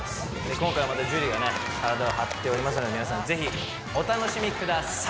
今回また樹がね体を張っておりますので皆さんぜひお楽しみください！